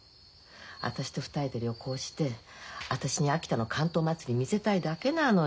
私と二人で旅行して私に秋田の竿燈祭りを見せたいだけなのよ。